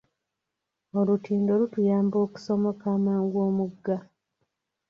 Olutindo lutuyamba okusomoka amangu omugga.